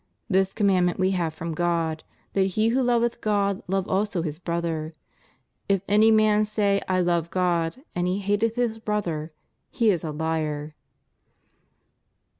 This commandment we have from God, that he who loveth God, love also his brother.'^ If any man say I love God, and he hateth his brother, he is a liar.